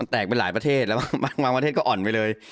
แตกไปหลายประเทศแล้วบางประเทศก็อ่อนไปเลย